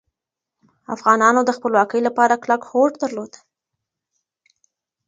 افغانانو د خپلواکۍ لپاره کلک هوډ درلود.